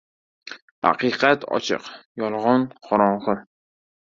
• Haqiqat — ochiq, yolg‘on — qorong‘i.